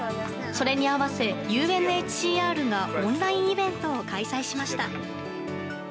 それに合わせてＵＮＨＣＲがオンラインイベントを開催しました。